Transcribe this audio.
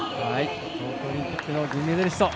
東京オリンピックの銀メダリスト。